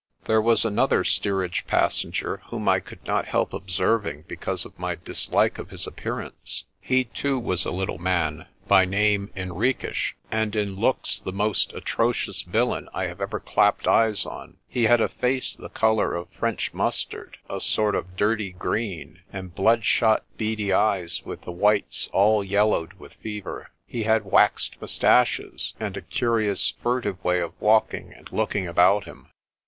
There was another steerage passenger whom I could not help observing because of my dislike of his appearance. He, too, was a little man, by name Henriques, and in looks the most atrocious villain I have ever clapped eyes on. He had a face the colour of French mustard a sort of dirty green and bloodshot, beady eyes with the whites all yel lowed with fever. He had waxed moustaches, and a curi ous, furtive way of walking and looking about him.